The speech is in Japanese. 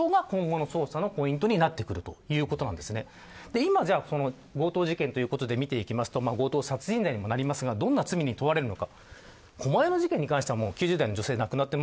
今、強盗事件ということで見ていくと強盗殺人罪にもなりますがどんな罪に問われるのか。